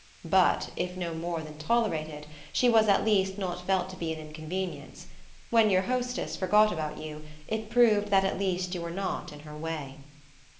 But if no more than tolerated she was at least not felt to be an inconvenience; when your hostess forgot about you it proved that at least you were not in her way.